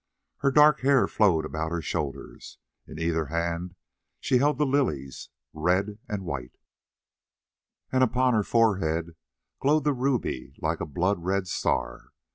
Her dark hair flowed about her shoulders; in either hand she held the lilies, red and white, and upon her forehead glowed the ruby like a blood red star.